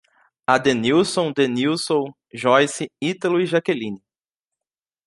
Adenílson, Denílson, Joice, Ítalo e Jaqueline